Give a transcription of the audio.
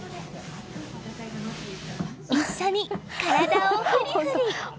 一緒に体をフリフリ！